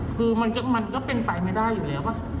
คือมันก็เป็นไปไม่ได้อยู่แล้วป่ะ